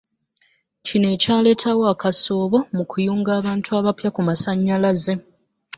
Kino ekyaleetawo akasoobo mu kuyunga abantu abapya ku Masannyalaze.